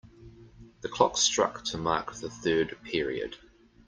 The clock struck to mark the third period.